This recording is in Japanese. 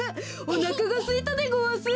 おなかがすいたでごわす。